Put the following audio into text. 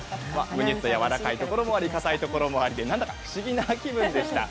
むにゅっとやわかいところもありかたいところもあり何だか不思議な気分でした。